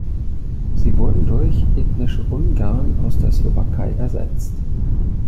Sie wurden durch ethnische Ungarn aus der Slowakei ersetzt.